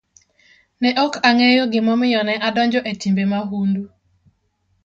Ne ok ang'eyo gimomiyo ne adonjo e timbe mahundu.